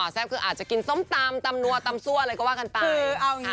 แซ่บคืออาจจะกินส้มตำตำนัวตำซั่วอะไรก็ว่ากันไป